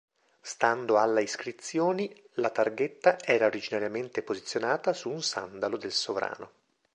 Stando alla iscrizioni, la targhetta era originariamente posizionata su un sandalo del sovrano.